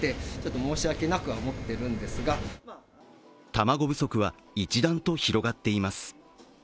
卵不足は一段と広がっています。